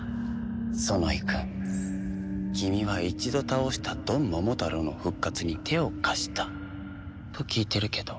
ソノイくん君は一度倒したドンモモタロウの復活に手を貸したと聞いてるけど。